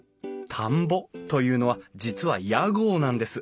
「田んぼ」というのは実は屋号なんです。